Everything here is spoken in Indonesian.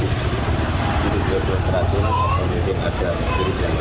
terkait insiden tersebut pihak kepolisian belum bisa memberikan keterangan lantaran masih menunggu